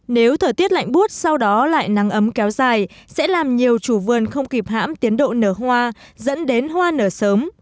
nếu thời tiết lạnh bút sau đó lại nắng ấm kéo dài sẽ làm nhiều chủ vườn không kịp hãm tiến độ nở hoa dẫn đến hoa nở sớm